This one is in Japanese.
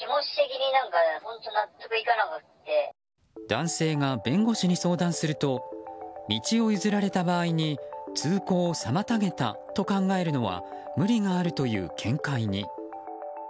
男性が弁護士に相談すると道を譲られた場合に通行を妨げたと考えるのは無理があるという見解に。